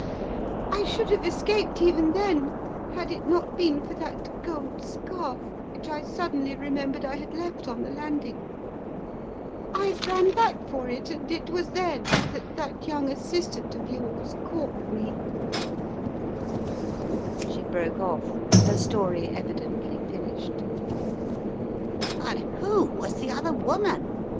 I should have escaped 304 The Riddle of the Purple Emperor even then had it not been for that gold scarf which I suddenly remembered I had left on the landing. I ran back for it, and it was then that that young assistant of yours caught me/' She broke off, her story evidently finished. "But who was the other woman?"